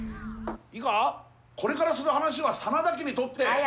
いいかこれからする話は真田家にとって。